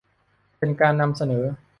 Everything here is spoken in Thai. เป็นการนำเสนอ